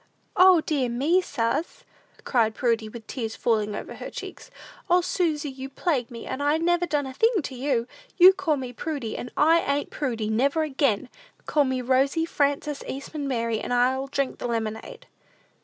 "O, dear me, suz," cried Prudy, with tears falling over her cheeks; "O, Susy, you plague me, and I never done a thing to you! You called me Prudy, and I ain't Prudy, never again! Call me Rosy Frances Eastman Mary, and I'll drink the lemonade."